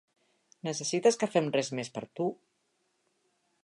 Necessites que fem res més per tu?